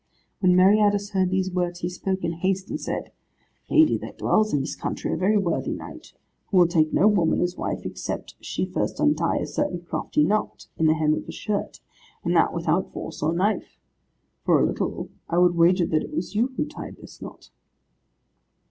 When Meriadus heard these words, he spoke in haste and said, "Lady, there dwells in this country a very worthy knight, who will take no woman as wife, except she first untie a certain crafty knot in the hem of a shirt, and that without force or knife. For a little I would wager that it was you who tied this knot."